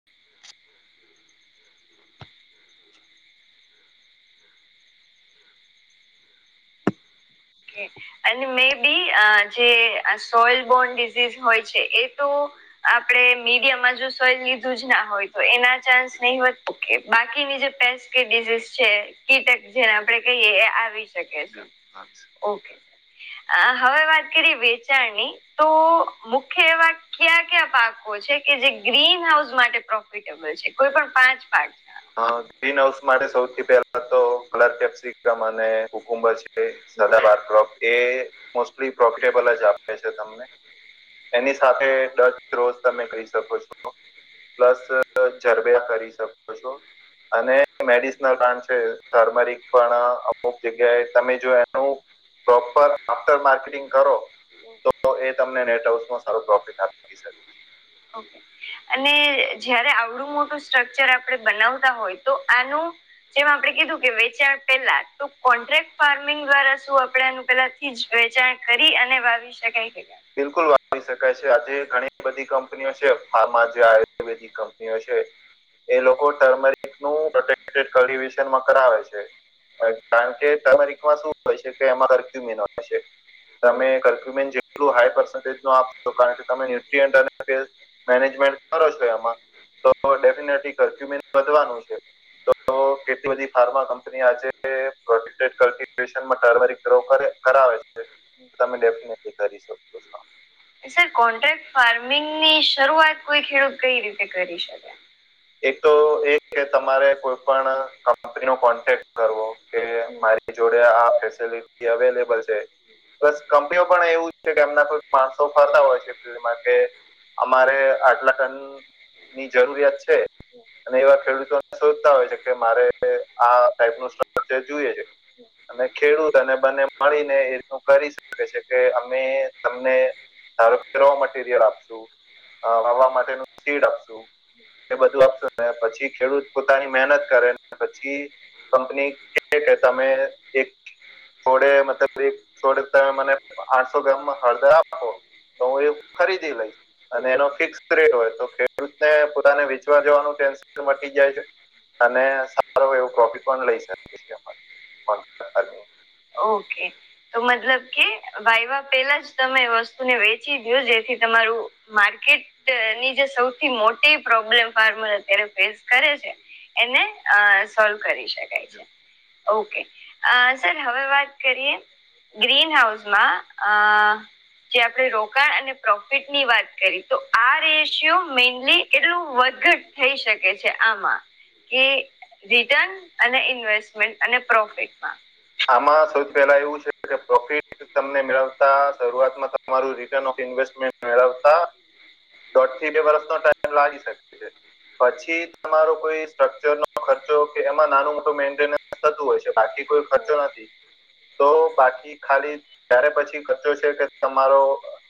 [inaudible] એ અને મે બી અ જે soil borne disease હોય છે એ તો આપડે મીડિયામાં જો સોયલ લીધું જ ના હોય તો એના ચાન્સ નહી વધતું બાકીની જે છે કીટક જેને આપડે કહીએ એ આવી શકે છે ઓકે, આ હવે વાત કરી વેચાણની‌‌. તો મુખ્ય એવા ક્યા ક્યા પાકો છે કે જે ગ્રીન હાઉસ માટે પ્રોફિટે છે કોઈ પણ પાંચ પાઠ. હા, ગ્રીન હાઉસ માટે સૌથી પહેલા તો કલર કેપ્સિકમ અને કુકુંભ છે. સદા બાર ક્રોપ એ મોસ્ટલી પ્રોફિટેબલ જ આપે છે તમને. એની સાથે દસ રોઝ તમે કહી શકો છો. પ્લસ ઝરબિયા કરી શકો છો. અને મેડિસનલ પ્ન્ટ છે થર્મરિક પણ અમુક જગ્યાએ તમે જો એનું પ્રોપર આફ્ટર માર્કેટિંગ કરો. તો તો એ તમને નેટ હાઉસમાં સારું પ્રોફિટ આપતી સે. ઓકે. અને જયારે આવડું મોટું સ્ટ્રક્ચર આપડે બનાવતા હોય તો આનું જેમાં આપણે કીધું કે વેચાણ પેલા તો કોન્ટ્રાક્ટ ફાર્મિંગ દ્વારા શું આપડે એનું પેલા વેચાણ કરી અને વાવી શકાય કે બિલકુલ વારી શકાય છે આજે ઘણી બધી કંપનીઓ છે ફાર્મા જે આયુર્વેદિક કંપનીઓ છે. એ લોકો ટર્મરિકનું પ્રોટેક્ટડ કલ્ટિવેશનમાં કરાવે છે. કારણ કે તમારીમાં શું હોય છે કે એમાં હક્યુમિન હોય છે. તમે કરક્યુમેન્ટ જે કેટલું હાઈ પસન્ટેજ ન આપશો કારણ કે તમે ન્યુટ્રી મેનેજમેન્ટ કરો છો એમાં. તો તો ડેફિનેટલી કરફ્યુ મેન્ટ વધવાનું છે. તો તો કેટલી બધી ફાર્મા કંપની આજે પ્રોટેક્ટેડ કલ્ટિવેશનમાં ટર્મરી કર્રો કરે. કરાવે છે તમે ડેફિનેટલી કરી શકો. છો સર કોન્ટ્રાક્ટ ફાર્મિંગની શરૂઆત કોઈ ખેડૂત કઈ રીતે કરી શકે? એક તો એ કે તમારે કોઈ પણ કંપની નો કોન્ટેક્ટ કરવો કે મારી જોડે આ ફેસિલિટી અવેલેબલ છે. બસ કંપનીઓ પણ એવું જ છે કે એમના કોઈક માણસો ફરતા હોય છે ફિલ્ડમાં કે અમારે આટલા ટનની જરૂરિયાત છે. અને એવા ખેડૂતોને શોધતા હોય છે કે મારે આ ટાઈપનો સ્ટ્રક્ચર જોયે છે. અને ખેડૂત અને બને મળીને એ રીતનું કરી શકે છે કે અમે તમને સારો રો મટીરિયલ આપશું વાવા માટેનું સીડ આપશું. એ બધું આપશે પછી ખેડૂત પોતાની મહેનત કરે ને પછી કંપની કે તમે એક છોડે મતલબ એક છોડે તમે મને આઠસો ગ્રામ હળદર આપો. તો હું એ ખરીદી લઈશ અને એનો ફિક્સ રેટ હોય તો ખેડૂત ને પોતાને વે વા જવાનું ટેન્સલ મટી જાય છે અને સારો એવો પ્રોફિટ પણ લઈ શકે છે. [unintelligible] ઓકે. તો મતલબ કે વાયવા પેલા જ તમે વસ્તુને વેચી દયો જેથી તમારું માર્કેટની જે સૌથી મોટી પ્રોબ્લેમ ફાર્મર અત્યારે ફેસ કરે છે. એને અ સોલ્વ કરી શકાય છે ઓકે અ હવે વાત કરીએ ગ્રીન હાઉસમાં અ જે આપણે રોકાણ અને પ્રોફિટની વાત કરી તો આ રેશિયો મેઇનલી એટલું વધઘટ થઈ શકે છે આમાં. કે રિટર્ન અને ઇન્વેસ્ટમેન્ટ અને પ્રોફિટમાં. આમાં સૌથી પહેલા એવું છે કે પ્રોફિટ તમને મેળવતા શરૂઆતમાં તમારું રિટર્ન ઓફ ઇન્વેસ્ટમેન્ટ મેળવતા દોઢથી બે વર્ષનો ટાઈમ લાગી શકે છે. પછી તમારો કોઈ સ્ટ્રકચરનો ખર્ચો કે એમાં નાનું મેન્ટેનન્સ થતું હોય છે બાકી કોઈ ખર્ચો નથી તો તો બાકી ખાલી ત્યારે પછી ખર્ચો છે કે તમારો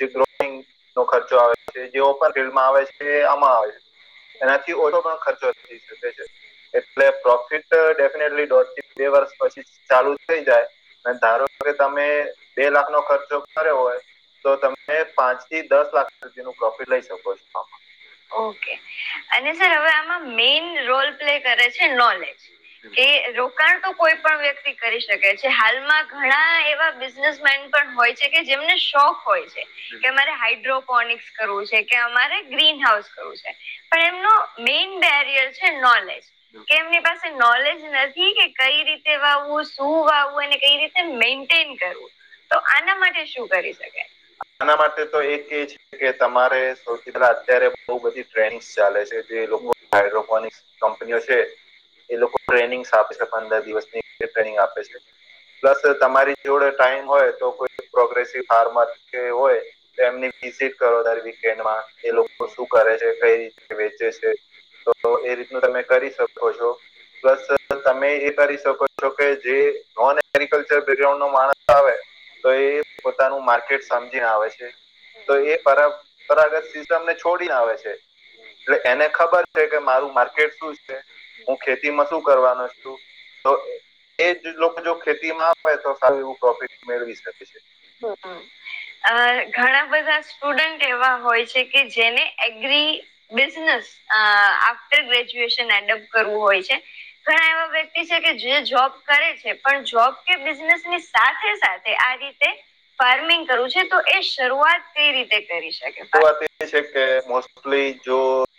જે ગ્રોથિંગ નો ખર્ચો આવે છે, જેવો પણ ફિલ્ડમાં આવે છે આમાં આવે છે. એનાથી [unintelligible] પણ ખર્ચો થઈ શકે છે એટલે પ્રોફિટ ટ ડેફિનેટલી દોઢ થી બે વર્ષ પછી જ ચાલુ થઈ જાય, અને ધારો કે તમે બે લાખ નો ખર્ચો કર્યો હોય તો તમે પાંચ થી દસ લાખ સુધી નું પ્રોફિટ લઈ શકો છો આમાં. ઓકે. અને સર હવે આમાં મેઈન રોલ પ્લે કરે છે, નોલેજ. કે રોકાણ તો કોઈ પણ વ્યક્તિ કરી શકે છે, હાલમાં ઘણા એવા બિઝ [unintelligible] એમ પણ હોય છે કે જેમને શોખ હોય છે કે અમારે હાઇડ્રોકોનિકસ કરવું છે, કે અમારે ગ્રીન હાઉસ કરવું છે. પણ એમનું મેઈન બેરિયર છે નોલેજ. કે એમની પાસે નોલેજ નથી, કે કંઈ રીતે વાવવું, શું વાવવું અને કઈ રીત મેન્ટેન કરવું, તો આના માટે શું કરી શકાય? આના માટે તો એક એજ કે તમારે સૌથી પહેલા અત્યારે બહુ બધી ટ્રેન્ડસ ચાલે છે, જે લોકો હાઈડ્રોકોનિક્સ કંપનીઓ છે, એ લોકો ટ્રેનિંગ્સ આપે છે, પંદર દિવસની [inaudible] ટ્રેનિંગ આપે છે. પ્લસ તમારી જોડે ટાઈમ હોય તો કોઈ પ્રોગ્રેસિવ ફાર્મર કે હોય તો એમની વિઝિટ કરો દર વીકેન્ડમાં, એ લોકો શું કરે છે, કઈ રીતે વેચે છે. તો એ રીતનું તમે કરી શકો છો. પ્લસ તમે એ કરી શકો છો કે જે નોન એગ્રીકલ્ચર બેકગ્રાઉન્ડનો માણસ આવે તો એ પોતાનું માર્કેટ સમજીને આવે છે. તો એ [unintelligible] છોડીને આવે છે. એટલે એને ખબર છે કે મારું માર્કેટ શું છે, હું ખેતીમાં શું કરવાનો છું તો એ જ લોકો જો ખેતીમાં આવેે તો સારું એવું પ્રોફિટ મેળવી શકે છે. બર અહ ઘણા બધા સ્ટુડન્ટ એવા હોય છે કે જેને agri business uh after graduation adopt કરવું હોય છે ઘણા એવા વ્યક્તિ છે કે જે જોબ કરે છે, પણ જોબ કે બિઝનેસની સાથે-સાથે આ રીતે ફાર્મિંગ કરવું છે, તો એ શરૂઆત કઈ રીતે કરી શક [unintelligible] એ છે કે મોસ્ટલી જો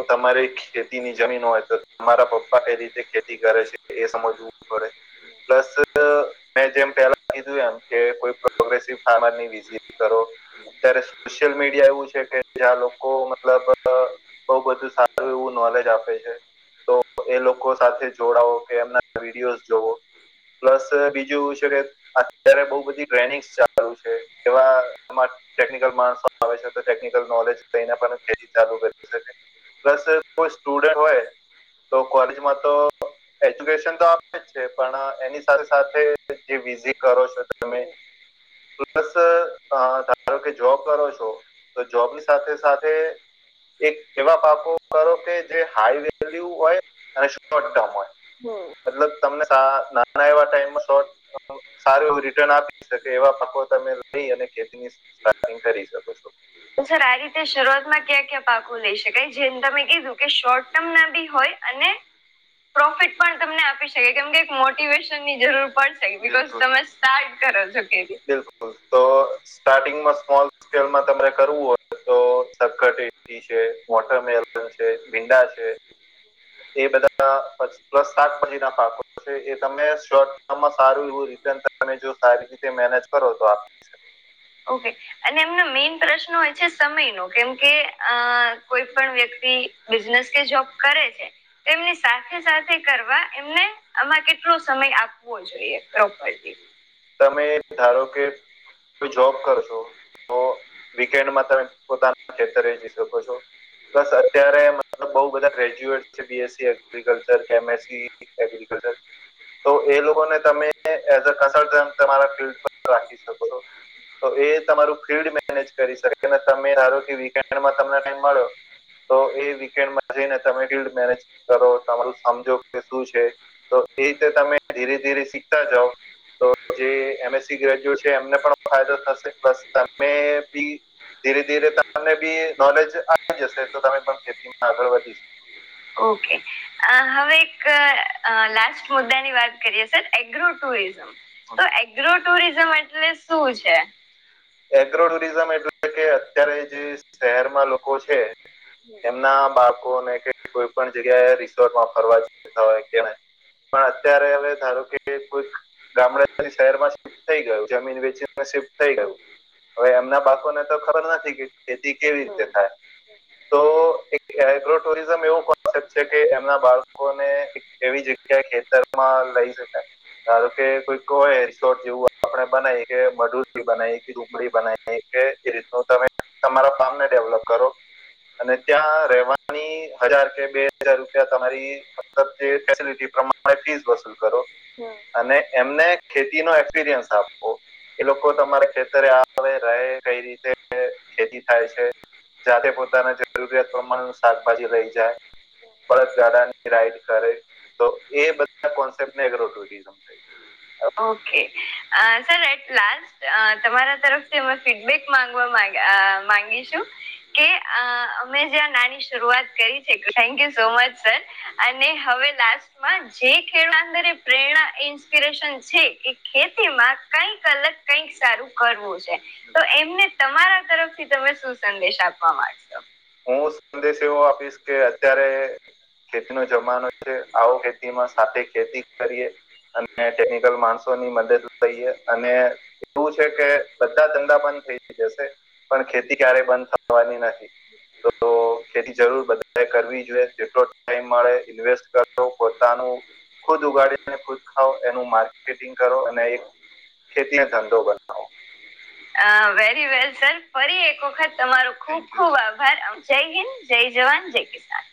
તમારી ખેતીની જમીન હોય તો તમારા પપ્પા કઈ રીતે ખેતી કરે છે એ સમજવું પડે. પ્લસ મેં જેમ પેલા કીધું એમ કે કોઈ પ્રોગ્રેસિવ ફાર્મર ની વિઝિટ કરો. અત્યારે સોશિયલ મીડિયા એવું છ છે કે જ્યાં લોકો મતલબ અહ બહું બધું સારું એવું નોલેજ આપે છે. તો એ લોકો સાથે જોડાવો કે એમના વિડીયોઝ જોવો. પ્લસ બીજું ઈ છે કે અત્યારે બહું બધી ટ્રેનિંગ્સ ચાલુ છે, એવા [unintelligible] ટેકનિકલ માણસો આવે છે ટેકનિકલ નોલેજ લઈને પણ ખેતી ચાલુ કરી શકે. પ્લસ કોઈ સ્ટુડન્ટ હોય તો કોલેજમાં તો એજ્યુકેશન તો આપે જ છે, પણ એની સાથે-સાથે જે [unintelligible] કરો છો તમે પ્લસ અહ ધારો કે જોબ કરો છો તો જોબની સાથે-સાથે એક એવા પાકો કરો કે જે હાઈ વેલ્યુ હોય અને શોર્ટ ટર્મ હોય. મતલબ તમને [inaudible] નાના એવા ટાઈમમાં શોર્ટ [unintelligible] સારું એવું રિટર્ન આપી શકે, એવા પાકો તમે લઈ અને ખેતીની સ્ટાર્ટિંગ કરી શકો છો. સર આ રીતે શરૂઆતમાં ક્યાં-ક્યાં પાકો લઈ શકાય? જેમ તમે કીધું કે શોર્ટ ટર્મના બી હોય અને પ્રોફિટ પણ તમને આપી શકે, કેમ કે એક મોટિવેશન ની જરૂર પડશે, ઈ બિકોઝ તમે સ્ટાર્ટ કરો છો કે બિલકુલ. તો સ્ટાર્ટિંગમાં સ્મોલ સ્કેલમાં તમારે કરવું હોય તો [unintelligible] ટી છે મોટર મેલન છે, ભીંડા છે, એ બધા અસ પ્લસ શાકભાજી ના પાકો છે એ તમે શોર્ટ ટર્મમાં સારું એવું રિટર્ન તમે જો સારી રીત તે મેનેજ કરો તો આપી શ ઓકે. અને એમનો મેઇન પ્રશ્ન હોય છે સમયનો કેમ કે અહ કોઈ પણ વ્યક્તિ બિઝનેસ કે જોબ કરે છે તો એમની સાથે સાથે કરવા એમને આમાં કેટલો સમય આપવો જોઈએ પ્રોપરલી? તમે એ ધારો કે કોઈ જોબ કરશો તો તો વીકેન્ડમાં તમે પોતાના ખેતરે જઈ શકો છો. બસ અત્યારે મતબ બહુ બધા ગ્રેજ્યુએટ છે બી એસ સી એગ્રીિકલ્ચર કે મે સી એગ્રીકલ્ચર તો એ લોકોને તમે એસ અ કસ ત તમ તમારા ફિલ્ડ પર રાખી શકો છો. તો એ તમારું ફિલ્ડ મેનેજ કરી શકેને તમે હારો કે વીકેન્ડમાં તમને ટાઈમ મળો તો એ વીકેન્ડમાં જઈને તમે ફ મેનેજ કરો તમારું સમજો કે શું છે. તો એ રીતે તમે ધીરે ધીરે શીખતા જાવ. તો જે એમ એસ સી ગ્રેજ્યુએટ છે એમને પણ ફાયદો થશે બસ તમે બી ધીરે ધીરે તમને બી એ નોલેજ આવી જશે તો તમે પણ ખેતીમાં આગળ વધી શ ઓકે. અહ હવે એક અહ લાસ્ટ મુદ્દાની વાત કરીએ સર એગ્રો ટુરિઝમ. તો એગ્રો ટુરિઝમ એટલે શું છે? એગ્રો ટુરિઝમ એટલે કે અત્યારે જે શહેરમાં લોકો છે એમના બાળકોને કે કોઈ પણ જગ્યાએ રિસોર્ટમાં ફરવા જતા હોય કે પણ અત્યારે હવે ધારો કે કોઈક ગામડાથી શહેરમાં શિફ્ટ થઈ ગયું જમીન વેચીમાં શિફ્ટ થઈ ગયું હવે એમના બાકોને તો ખબર નથી કે ખેતી કેવી રીતે થાય. તો એક એગ્રો ટુરિઝમ એવું કોન્સેપ્ટ છે કે એમના બાળકોને એક એવી જગ્ય કે ખેતરમાં લઈ શકાય. ધારો કે કોઈય હોઈ રિસોર્ટ જેવું આપણે બનાવી કે મઢુથી બનાવી કે ડુંગળી બનાવી છે એ રીતનું તમે તમારા ફામ ને ડેવલપ કરો અને ત્યાં રહેવાની હજાર કે બે હજાર રૂપિયા તમારી મતલબ જે ફેસિલિટી પ્રમાણ તમે ફીસ વસૂલ કરો. અને એમને ખેતી નો એક્સપિરિયન્સ આપવો એ લોકો તમારા ખેતરે આવે રહે એ કઈ રીતે ખેતી થાય છે જાતે પોતાને જરૂરિયાત પ્રમાણ નું શાકભાજી લઈ જાય. બળસગાડા ની રાઈડ કરે તો એ બધા કોન્સેપ્ટ ને એગ્રો ટુરિઝમ કેહ. ઓકે અહ સર એક લાસ્ટ અહ તમારા તરફથી અમે ફીડબેક ગવમાં અહ માંગીશું. કે અહ અમે જ્યાં નાની શરૂઆત કરી છે thank you so much sir અને હવે લાસ્ટમાં જે ખેડંદરે પ્રેરણા ઇન્સ્પિરેશન છે એ ખેતીમાં કઈક અલગ કઈક સારું કરવું છે. તો એમને તમારા તરફથી તમે શું સંદેશ આપવા માંગશો? હું સંદેશ એવો આપીશ કે અત્યારે ખેતી નો જમાનો છે આવો ખેતીમાં સાથે ખેતી કરીએ અને ટેકનિકલ માણસોની મદદ લઈએ અને એવું છે કે બધા ધંધા બંધ થઈ જશે પણ ખેતી ક્યારેય બંધ થવાની નથી. તો ખેતી જરૂર બધા કરવી જોઈએ જેટલો ટાઈમ મળે ઇન્વેસ્ટ કરો પોતાનું ખુદ ઉગાડીને ખુદ ખાઓ એનું માર્કેટિંગ કરો અને એક ખેતી નો ધંધો બનાઓ. અહ વેરી વેલ સર ફરી એક વખત તમારો ખુબ ખુબ આભાર. અમ જય હિન્દ. જય જવાન, જય કિસાન.